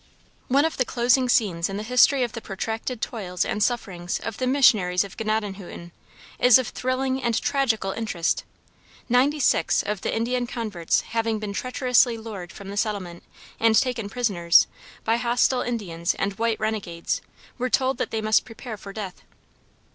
One of the closing scenes in the history of the protracted toils and sufferings of the missionaries of Gnadenhutten, is of thrilling and tragical interest. Ninety six of the Indian converts having been treacherously lured from the settlement, and taken prisoners, by hostile Indians and white renegades, were told that they must prepare for death.